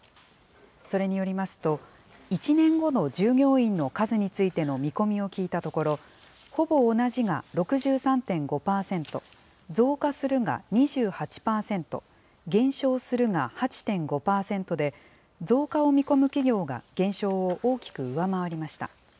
それによりますと、１年後の従業員の数についての見込みを聞いたところ、ほぼ同じが６３．５％、増加するが２８％、減少するが８．５％で、増加を見込む企業が減少を大きく上回りました。